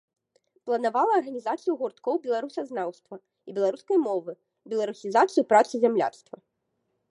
Планавала арганізацыю гурткоў беларусазнаўства і беларускай мовы, беларусізацыю працы зямляцтва.